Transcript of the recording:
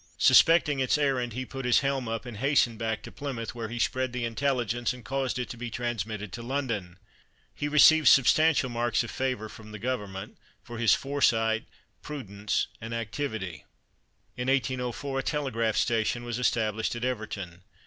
Suspecting its errand he put his helm up and hastened back to Plymouth, where he spread the intelligence and caused it to be transmitted to London. He received substantial marks of favour from the Government for his foresight, prudence, and activity. In 1804 a telegraph station was established at Everton.